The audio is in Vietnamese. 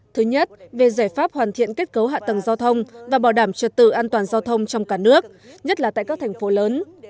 thứ nhất về giải pháp hoàn thiện kết cấu hạ tầng giao thông và bảo đảm trật tự an toàn giao thông trong cả nước nhất là tại các thành phố lớn